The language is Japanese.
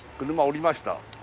降りました。